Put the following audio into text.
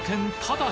ただ